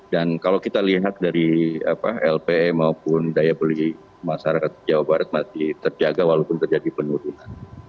kalau kita lihat dari lpe maupun daya beli masyarakat jawa barat masih terjaga walaupun terjadi penurunan